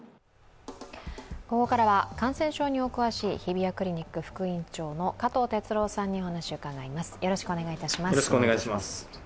ここからは感染症にお詳しい日比谷クリニック副院長の加藤哲郎さんにお話を伺います。